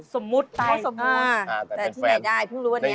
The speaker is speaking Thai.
สมมุติไปสมมุติแต่ที่ไหนได้เพิ่งรู้วันนี้